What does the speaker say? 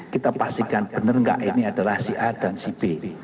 kita pastikan benar nggak ini adalah si a dan si b